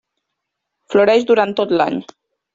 Floreix durant tot l'any.